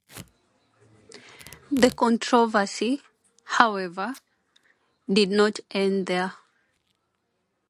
The controversy, however, did not end there.